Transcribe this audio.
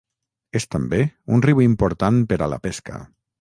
És també un riu important per a la pesca.